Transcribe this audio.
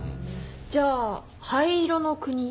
じゃあ「灰色のくに」？